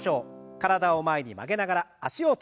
体を前に曲げながら脚をたたきます。